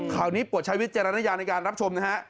ข่านี้ปวดชายวิทยารนยาการในการรับชมนะฮะ